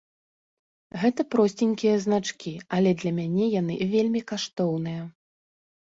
Гэта просценькія значкі, але для мяне яны вельмі каштоўныя.